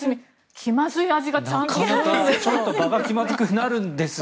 気まずい味がちゃんとするんですよ。